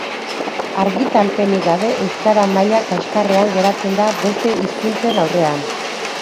Argitalpenik gabe euskara maila kaxkarrean geratzen da beste hizkuntzen aurrean.